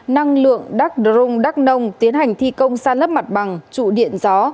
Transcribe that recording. năng lượng đắc drung đắc nông tiến hành thi công sa lấp mặt bằng trụ điện gió